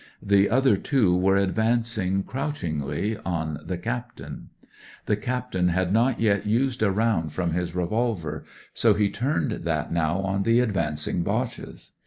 The other two were advancing, crouchingly, on the cap tain. The captain had not yet used a round from his revolver, so he turned that now on the advancing Boches.